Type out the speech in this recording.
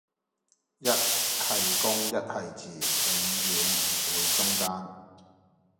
一係公一係字，永遠唔會中間